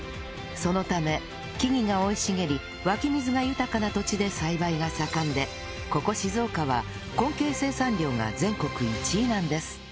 そのため木々が生い茂り湧き水が豊かな土地で栽培が盛んでここ静岡は根茎生産量が全国１位なんです